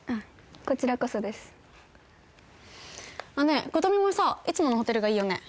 こちらこそですねえ琴美もさいつものホテルがいいよね？